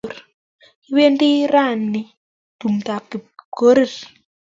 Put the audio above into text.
Kipendi raini tumdap Kipkorir